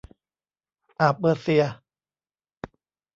อ่าวเปอร์เซีย